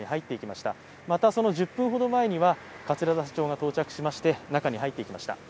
また、その１０分ほど前には桂田社長が到着しまして中に入っていきました。